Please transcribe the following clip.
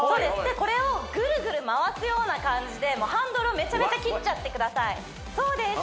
これをぐるぐる回すような感じでハンドルをめちゃめちゃ切っちゃってくださいそうです